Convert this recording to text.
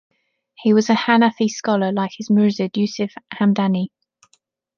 He was an Hanafi scholar like his murshid, Yusuf Hamdani.